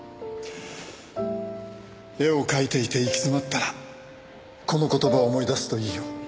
絵を描いていて行き詰まったらこの言葉を思い出すといいよ。